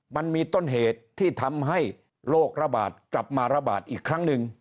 มันมีต้นเหตุที่ทำให้โรคระบาดกลับมาระบาดอีกครั้งหนึ่ง